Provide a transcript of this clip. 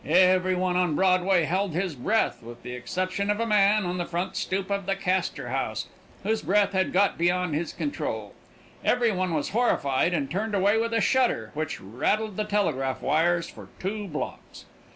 Every one on Broadway held his breath, with the exception of a man on the front stoop of the Castor House, whose breath had got beyond his control. Every one was horrified and turned away with a shudder, which rattled the telegraph wires for two blocks.